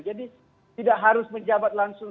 jadi tidak harus menjabat langsung